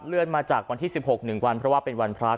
เลื่อนมาจากวันที่สิบหกหนึ่งวันเพราะว่าเป็นวันพร้าธิ์